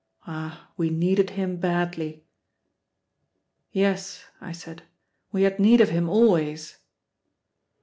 Ah, we needed him badly!" "Yes," I said, "we had need of him always."